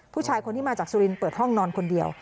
ผู้ชายคนที่มาจากสุรินทร์เปิดห้องนอนคนเดียว